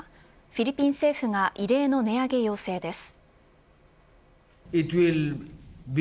フィリピン政府が異例の値上げ要請です。